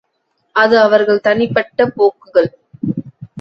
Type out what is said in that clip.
அது அவர்கள் தனிப்பட்ட போக்குகள்.